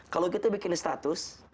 kalau kita bikin status